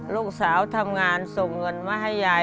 ลูกสาวทำงานส่งเงินมาให้ยาย